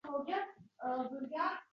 bu esa juda yomon.